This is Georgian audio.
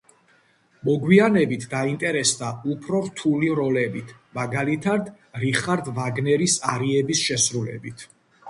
მოგვიანებით დაინტერესდა უფრო რთული როლებით, მაგალითად რიხარდ ვაგნერის არიების შესრულებით.